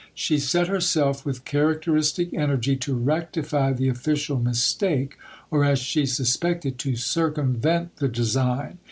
She set herself with characteristic energy to rectify the official "mistake," or, as she suspected, to circumvent the design.